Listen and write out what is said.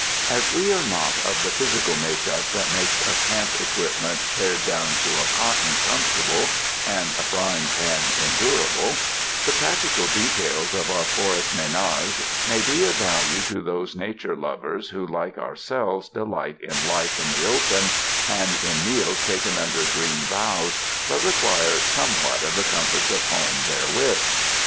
As we are not of the physical make up that makes a camp equipment pared down to a cotton com fortable and a frying pan endurable, the practical details of our forest menage may be of value to those nature lovers, who like ourselves delight in life in the open and in meals taken under green boughs, but require somewhat of the comforts of home therewith.